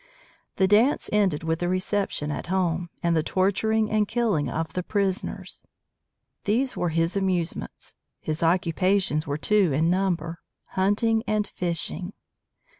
The dance ended with the reception at home, and the torturing and killing of the prisoners. These were his amusements. His occupations were two in number: hunting and fishing.